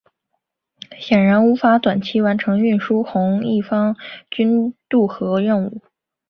显然无法短期完成运输红一方面军渡河任务。